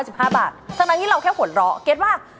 สำหรับงั้นที่เราแค่หัวระเคสว่า